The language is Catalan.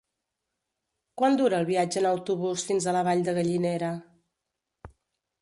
Quant dura el viatge en autobús fins a la Vall de Gallinera?